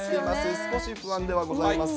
少し不安ではございます。